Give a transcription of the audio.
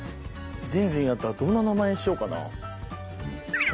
じんじんやったらどんな名前にしようかなあ？